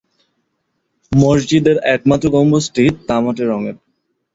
মসজিদের একমাত্র গম্বুজটি তামাটে রঙের।